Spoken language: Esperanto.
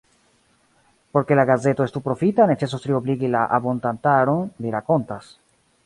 Por ke la gazeto estu profita, necesos triobligi la abontantaron, li rakontas.